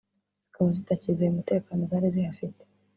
zikaba zitakizeye umutekano zari zihafite